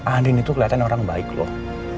andin itu kelihatan orang baik loh